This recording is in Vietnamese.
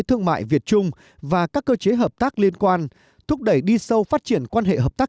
thương mại việt trung và các cơ chế hợp tác liên quan thúc đẩy đi sâu phát triển quan hệ hợp tác